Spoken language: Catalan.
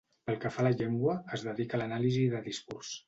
Pel que fa a la llengua, es dedica a l’anàlisi de discurs.